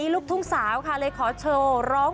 และร้อน